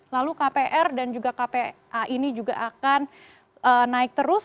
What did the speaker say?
lalu kpr dan juga kpa ini juga akan naik terus